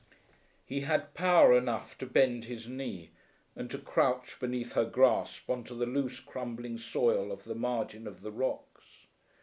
He had power enough to bend his knee, and to crouch beneath her grasp on to the loose crumbling soil of the margin of the rocks.